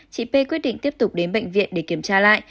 chị p quyết định tiếp tục đến bệnh viện để kiểm tra lại